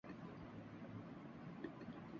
Bolton market بلدیہ town Mauripur truck اڈہ گلشن معمار